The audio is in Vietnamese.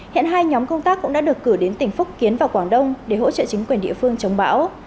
hiện hai nhóm công tác cũng đã được cử đến tỉnh phúc kiến và quảng đông để hỗ trợ chính quyền địa phương chống bão